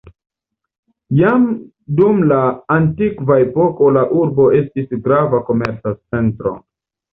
Jam dum la antikva epoko la urbo estis grava komerca centro.